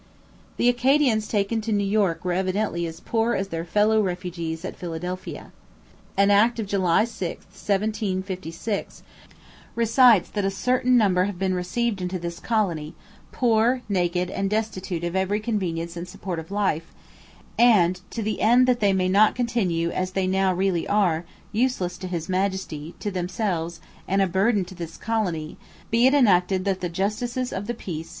The Acadians taken to New York were evidently as poor as their fellow refugees at Philadelphia. An Act of July 6, 1756, recites that 'a certain number have been received into this colony, poor, naked, and destitute of every convenience and support of life, and, to the end that they may not continue as they now really are, useless to His Majesty, to themselves, and a burthen to this colony, be it enacted ... that the Justices of the Peace